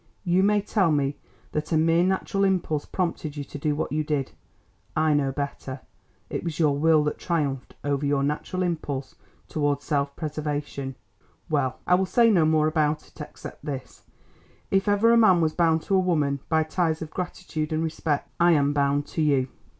You may tell me that a mere natural impulse prompted you to do what you did. I know better. It was your will that triumphed over your natural impulse towards self preservation. Well, I will say no more about it, except this: If ever a man was bound to a woman by ties of gratitude and respect, I am bound to you.